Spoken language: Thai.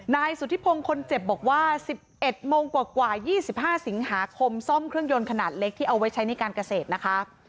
นายสุธิพงศ์คนเจ็บบอกว่า๑๑โมงกว่า๒๕สิงหาคมซ่อมเครื่องยนต์ขนาดเล็กที่เอาไว้ใช้ในการเกษตรนะคะ